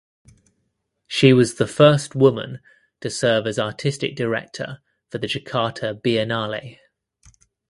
She was the first woman to serve as artistic director for the Jakarta Biennale.